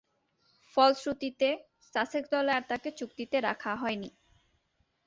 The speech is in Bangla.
ফলশ্রুতিতে, সাসেক্স দলে আর তাকে চুক্তিতে রাখা হয়নি।